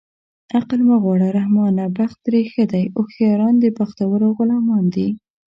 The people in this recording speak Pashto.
عقل مه غواړه رحمانه بخت ترې ښه دی هوښیاران د بختورو غلامان دي